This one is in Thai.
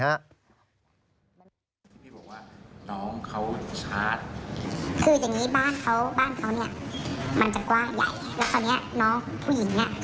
แล้วตอนเนี้ยน้องผู้หญิงเนี้ยเขาเวลาเขาคุยโทรศัพท์